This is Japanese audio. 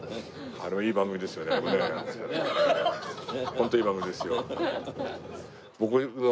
ホントいい番組ですよ。